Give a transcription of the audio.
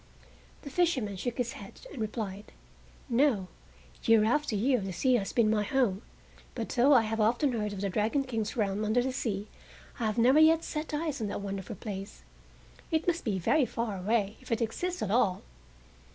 The fisherman shook his head and replied; "No; year after year the sea has been my home, but though I have often heard of the Dragon King's realm under the sea I have never yet set eyes on that wonderful place. It must be very far away, if it exists at all!"